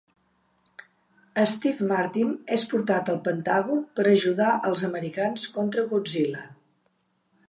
Steve Martin és portat al Pentàgon per ajudar als americans contra Godzilla.